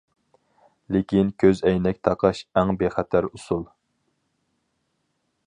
لېكىن كۆزئەينەك تاقاش ئەڭ بىخەتەر ئۇسۇل.